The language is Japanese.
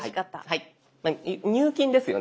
入金ですよね。